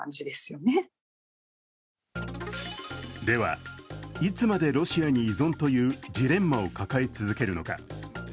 では、いつまでロシアに依存というジレンマを抱え続けるのか。